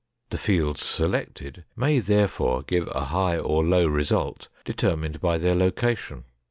The fields selected may therefore give a high or low result determined by their location.